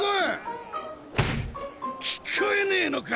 聞こえねえのか！